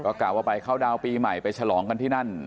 กล่าวว่าไปเข้าดาวน์ปีใหม่ไปฉลองกันที่นั่น